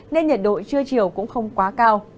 nên nhiệt độ trưa chiều cũng không quá cao